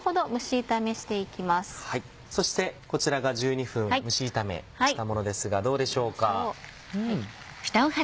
そしてこちらが１２分蒸し炒めしたものですがどうでしょうか。